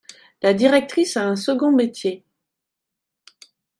La directrice a un second métier.